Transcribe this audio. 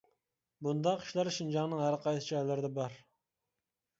بۇنداق ئىشلار شىنجاڭنىڭ ھەر قايسى جايلىرىدا بار.